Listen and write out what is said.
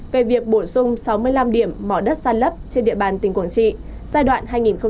về việc bổ sung sáu mươi năm điểm mỏ đất sàn lấp trên địa bàn tỉnh quảng trị giai đoạn hai nghìn hai mươi một hai nghìn ba mươi